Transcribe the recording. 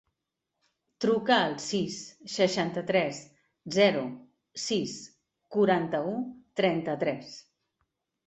Truca al sis, seixanta-tres, zero, sis, quaranta-u, trenta-tres.